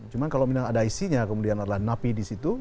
cuma kalau memang ada isinya kemudian adalah napi di situ